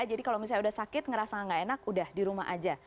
jadi kalau misalnya sudah sakit ngerasa nggak enak udah di rumah aja